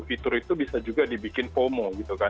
fitur itu bisa juga dibikin fomo